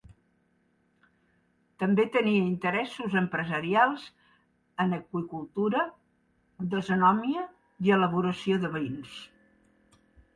També tenia interessos empresarials en aqüicultura, dasonomia i elaboració de vins.